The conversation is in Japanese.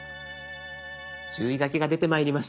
注意書きが出てまいりました。